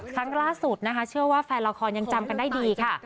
ครั้งล่าสุดนะคะเชื่อว่าแฟนละครยังจำกันได้ดีค่ะ